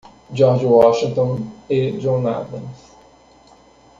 George Washington e John Adams.